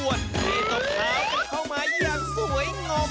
ที่ตบเท้ากันเข้ามาอย่างสวยงาม